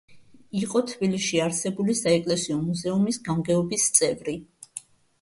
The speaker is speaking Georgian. იყო თბილისში არსებულ საეკლესიო მუზეუმის გამგეობის წევრი.